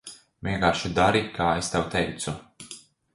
Vienkārši dari, kā es tev teicu.